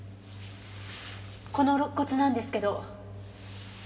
この肋骨なんですけど。